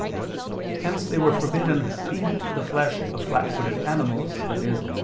Hence they were forbidden to eat the flesh of flat footed animals, i.e.